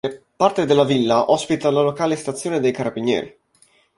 Parte della villa ospita la locale stazione dei carabinieri.